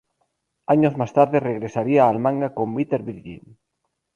Años más tarde regresaría al manga con "Bitter Virgin".